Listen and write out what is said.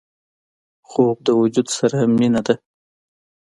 خوب د وجود سره مینه ده